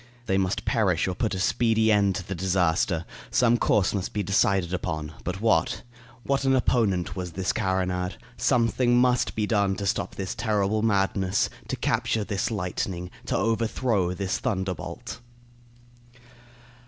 They must perish or put a speedy end to the disaster; some course must be decided on; but what? What an opponent was this carronade! Something must be done to stop this terrible madness to capture this lightning to overthrow this thunderbolt.